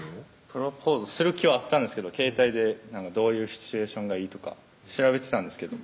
プロポーズする気はあったんですけど携帯でどういうシチュエーションがいいとか調べてたんですけど